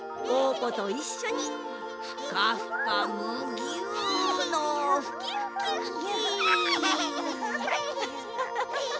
ぽといっしょにふかふかむぎゅのふきふきふき！